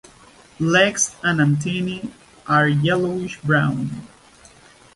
Legs and antennae are yellowish brown.